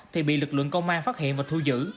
thì bị lực lượng công an phát hiện và thu giữ